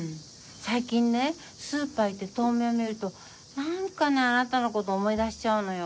最近ねスーパー行って豆苗見ると何かねあなたのこと思い出しちゃうのよ。